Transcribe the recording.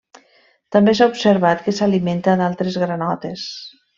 També s'ha observat que s'alimenta d'altres granotes.